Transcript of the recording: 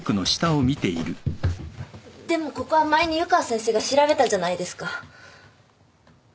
でもここは前に湯川先生が調べたじゃないですか？